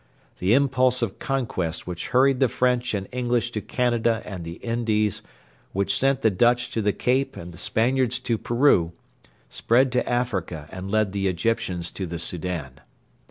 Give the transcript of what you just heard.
The impulse of conquest which hurried the French and English to Canada and the Indies, which sent the Dutch to the Cape and the Spaniards to Peru, spread to Africa and led the Egyptians to the Soudan.